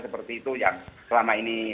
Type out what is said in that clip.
seperti itu yang selama ini